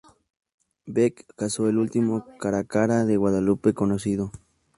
Beck cazó el último Caracara de Guadalupe conocido.